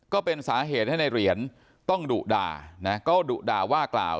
ก็เป็นสาเหตุให้ในเหรียญต้องดุด่านะก็ดุด่าว่ากล่าว